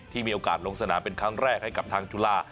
มีโอกาสลงสนามเป็นครั้งแรกให้กับทางจุฬา